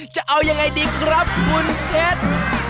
จะเอายังไงดีครับคุณเพชร